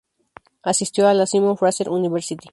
Asistió a la Simon Fraser University.